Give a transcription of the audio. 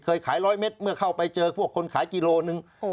เคยขาย๑๐๐เมตรเมื่อเข้าไปเจอพวกคนขายกิโลนึง